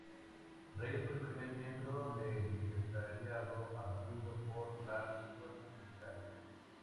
Reyes fue el primer miembro del Secretariado abatido por las Fuerzas Militares.